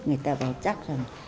người ta bảo chắc rằng